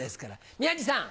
宮治さん。